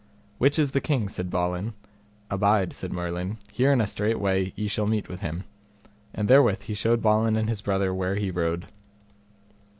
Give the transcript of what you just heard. Which is the king? said Balin. Abide, said Merlin, here in a strait way ye shall meet with him; and therewith he showed Balin and his brother where he rode.